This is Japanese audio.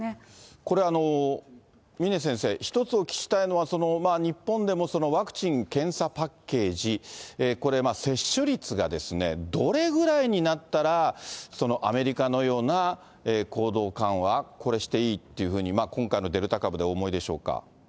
これ、峰先生、一つお聞きしたいのは、日本でもワクチン・検査パッケージ、これ接種率がですね、どれぐらいになったらアメリカのような行動緩和、これ、していいというふうに、今回のデルタ株でお思いでしょうか。